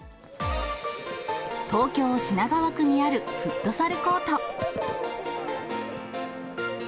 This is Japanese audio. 東京・品川区にあるフットサルコート。